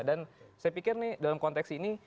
dan saya pikir nih dalam konteks ini